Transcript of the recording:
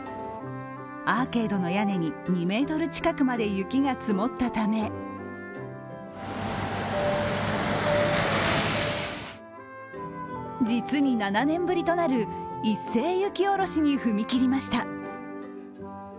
アーケードの屋根に２ｍ近くまで雪が積もったため実に７年ぶりとなる一斉雪下ろしに踏み切りました。